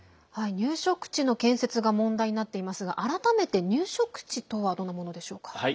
入植地の建設が問題になっていますが改めて入植地とはどんなものでしょうか。